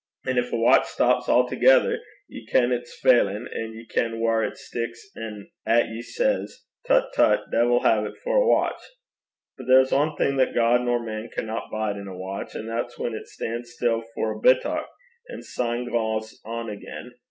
An' gin a watch stops a'thegither, ye ken it's failin', an' ye ken whaur it sticks, an' a' 'at ye say 's "Tut, tut, de'il hae 't for a watch!" But there's ae thing that God nor man canna bide in a watch, an' that's whan it stan's still for a bittock, an' syne gangs on again.